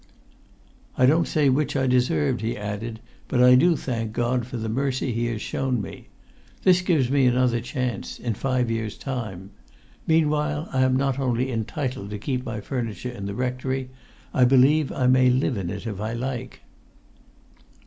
"I don't say which I deserved," he added, "but I do thank God for the mercy He has shown me. This gives me another chance—in five years' time. Meanwhile I am not only entitled to keep my furniture in the rectory. I believe I may live in it if I like."